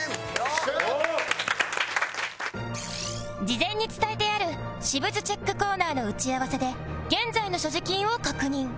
事前に伝えてある私物チェックコーナーの打ち合わせで現在の所持金を確認